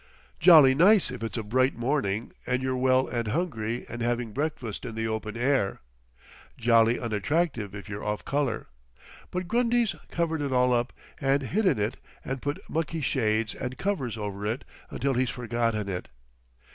Jolly nice if it's a bright morning and you're well and hungry and having breakfast in the open air. Jolly unattractive if you're off colour. But Grundy's covered it all up and hidden it and put mucky shades and covers over it until he's forgotten it.